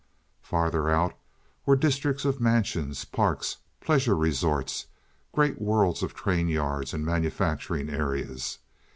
Farther out were districts of mansions, parks, pleasure resorts, great worlds of train yards and manufacturing areas.